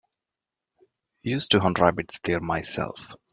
Used to hunt rabbits there myself.